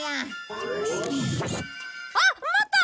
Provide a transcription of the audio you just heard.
あっ待った！